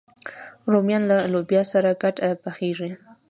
رومیان له لوبیا سره ګډ پخېږي